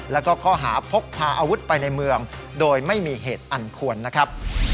แล้วก็ข้อหาพกพาอาวุธไปในเมืองโดยไม่มีเหตุอันควรนะครับ